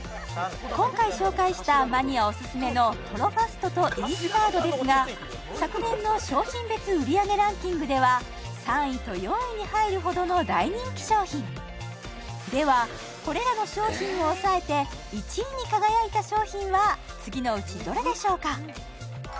今回紹介したマニアオススメのトロファストとイースタードですが昨年の商品別売り上げランキングでは３位と４位に入るほどの大人気商品ではこれらの商品を抑えて１位に輝いた商品は次のうちどれでしょうか？